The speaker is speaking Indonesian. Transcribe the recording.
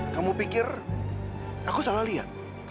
kamu pikir aku salah lihat